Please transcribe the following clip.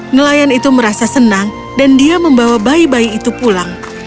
nelayan itu merasa senang dan dia membawa bayi bayi itu pulang